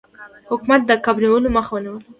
حکومت د کب نیولو مخه ونیوله.